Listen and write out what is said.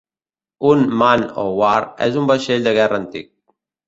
Un "Man o' War" és un vaixell de guerra antic.